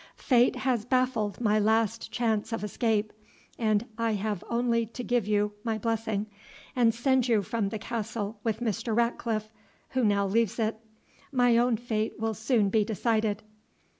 Fate has baffled my last chance of escape, and I have only to give you my blessing, and send you from the castle with Mr. Ratcliffe, who now leaves it; my own fate will soon be decided."